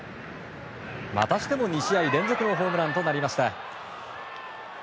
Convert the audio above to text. またしても２試合連続のホームランとなりました。